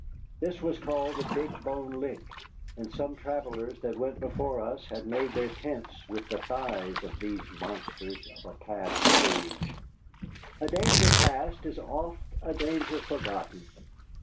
This was called the Big Bone Lick, and some travellers that went before us had made their tents with the thighs of these monsters of a past age. A danger past is oft a danger forgotten.